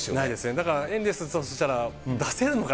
だからエンゼルスとしたら、出せるのかな？